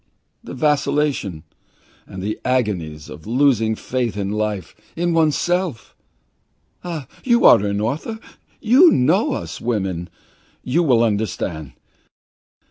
The vacillation! And the agonies of losing faith in life, in oneself! Ah, you are an author. You know us women. You will understand.